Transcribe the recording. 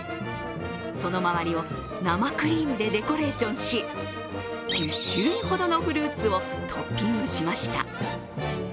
その周りを生クリームでデコレーションし、１０種類ほどのフルーツをトッピングしました。